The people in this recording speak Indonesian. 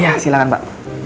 iya silahkan pak